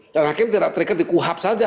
dan hakim tidak terikat di kuhab saja